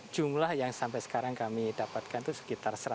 jumlah yang sampai sekarang kami dapatkan itu sekitar seratus